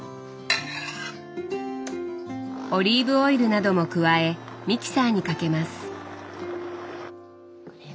オリーブオイルなども加えミキサーにかけます。